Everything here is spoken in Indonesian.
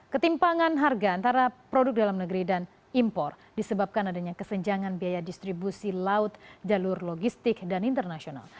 ketimpangan harga antara produk dalam negeri dan impor disebabkan adanya kesenjangan biaya distribusi laut jalur logistik dan internasional